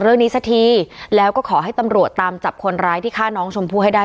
สักทีแล้วก็ขอให้ตำรวจตามจับคนร้ายที่ฆ่าน้องชมพู่ให้ได้